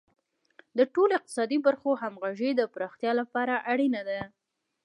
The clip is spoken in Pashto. د ټولو اقتصادي برخو همغږي د پراختیا لپاره اړینه ده.